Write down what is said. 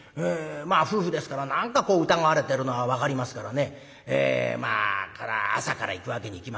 まあ夫婦ですから何かこう疑われてるのは分かりますからねまあこれは朝から行くわけにいきません。